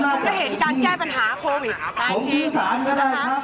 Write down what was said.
คุณก็เห็นการแก้ปัญหาโควิด๑๙จากจีนนะคะ